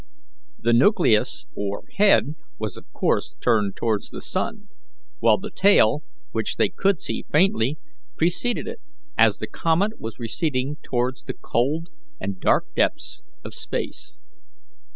The nucleus or head was of course turned towards the sun; while the tail, which they could see faintly, preceded it, as the comet was receding towards the cold and dark depths of space.